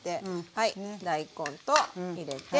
大根と入れて。